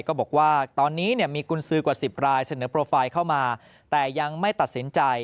ก็บอกว่าตอนนี้เนี่ยมีกุญสือกว่า๑๐รายเสนอโปรไฟล์เข้ามาแต่ยังไม่ตัดสินใจ